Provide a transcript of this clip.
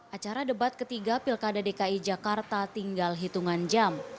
acara debat ketiga pilkada dki jakarta tinggal hitungan jam